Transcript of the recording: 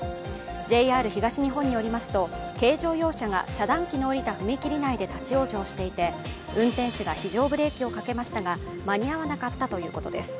ＪＲ東日本によりますと、軽乗用車が遮断機の下りた踏切内で立往生していて、運転士が非常ブレーキをかけましたが、間に合わなかったということです。